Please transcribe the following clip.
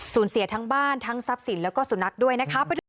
เสียทั้งบ้านทั้งทรัพย์สินแล้วก็สุนัขด้วยนะคะ